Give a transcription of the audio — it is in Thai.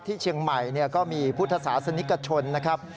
ที่เชียงใหม่ก็มีพุทธศาสนิกชนนะครับ